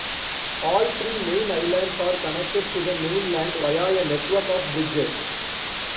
All three main islands are connected to the mainland via a network of bridges.